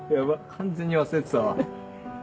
完全に忘れてたわ。